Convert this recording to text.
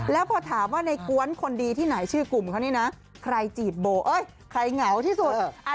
แล้วพอถามว่าในกวนคนดีที่ไหนชื่อกลุ่มเขานี่นะใครจีบโบเอ้ยใครเหงาที่สุด